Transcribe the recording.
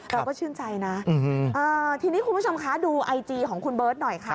เราก็ชื่นใจนะทีนี้คุณผู้ชมคะดูไอจีของคุณเบิร์ตหน่อยค่ะ